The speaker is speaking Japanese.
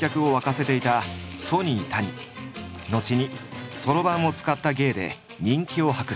後にそろばんを使った芸で人気を博す。